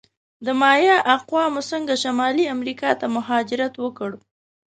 د مایا اقوامو څنګه شمالي امریکا ته مهاجرت وکړ؟